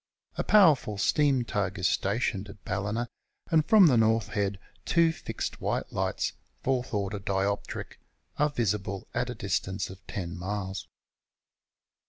A powerful steam tug is stationed at Ballina, and from the North Head, 2 fixed white lights, fourth order dioptric, are visible at a distance of 10 miles.